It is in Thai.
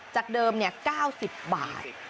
จากเดิม๙๐บาท